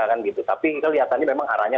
kan gitu tapi kelihatannya memang arahnya